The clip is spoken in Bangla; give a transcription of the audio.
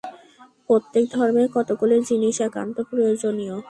প্রত্যেক ধর্মেই কতকগুলি জিনিষ একান্ত প্রয়োজনীয়।